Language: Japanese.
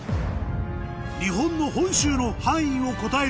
日本の本州の範囲を答える